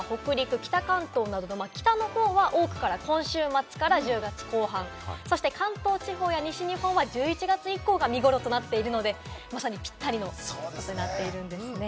東北とか北陸、北関東など北の方は多くが今週末から１０月後半、関東地方や西日本は１１月以降が見頃となっているので、まさにぴったりの季節となっているんですね。